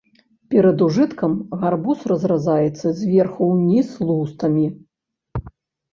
Перад ужыткам гарбуз разразаецца зверху ўніз лустамі.